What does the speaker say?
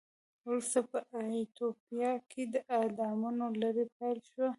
ورسته په ایتوپیا کې د اعدامونو لړۍ پیل شوه.